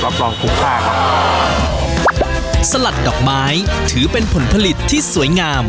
รองคุ้มค่าครับสลัดดอกไม้ถือเป็นผลผลิตที่สวยงาม